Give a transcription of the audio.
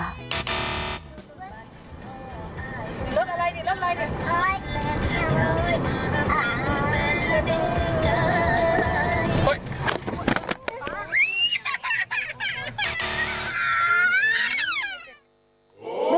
รถอะไรนี่รถอะไรเนี่ย